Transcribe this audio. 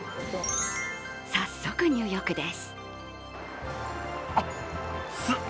早速、入浴です。